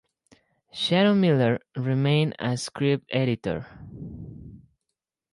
Sharon Miller remained as script editor.